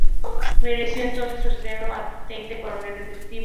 Mereció entonces su ascenso a teniente coronel efectivo.